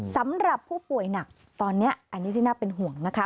สำหรับผู้ป่วยหนักตอนนี้อันนี้ที่น่าเป็นห่วงนะคะ